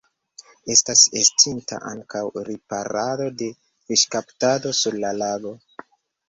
Estas estinta ankaŭ riparado de fiŝkaptado sur la lago.